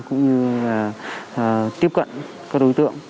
cũng như là tiếp cận các đối tượng